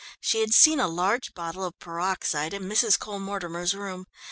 She had seen a large bottle of peroxide in Mrs. Cole Mortimer's room.